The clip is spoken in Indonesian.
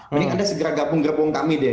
mending anda segera gabung gerbong kami deh